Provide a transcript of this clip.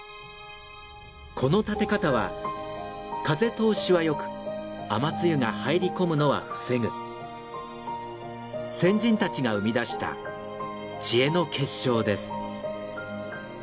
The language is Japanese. この立て方は風通しは良く雨露が入り込むのは防ぐ先人たちが生み出した知恵の結晶です。